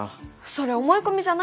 それ思い込みじゃない？